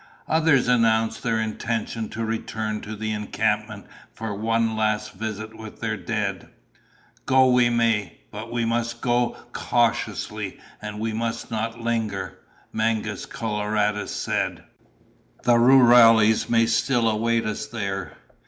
Others announced their intention to return to the encampment for one last visit with their dead. "Go we may, but we must go cautiously and we must not linger," Mangus Coloradus said. "The rurales may still await us there.